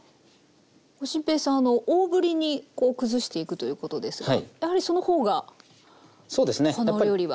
心平さんあの大ぶりにこう崩していくということですがやはりその方がこのお料理は。